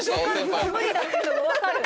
もう無理だっていうのがわかる。